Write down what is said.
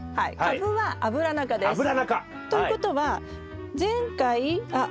アブラナ科。ということは前回あっ